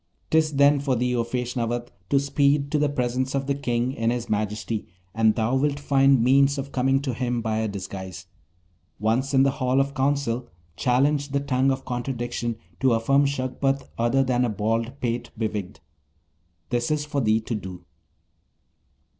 'Tis then for thee, O Feshnavat, to speed to the presence of the King in his majesty, and thou wilt find means of coming to him by a disguise. Once in the Hall of Council, challenge the tongue of contradiction to affirm Shagpat other than a bald pate bewigged. This is for thee to do.'